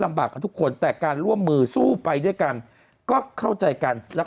บากกับทุกคนแต่การร่วมมือสู้ไปด้วยกันก็เข้าใจกันแล้วก็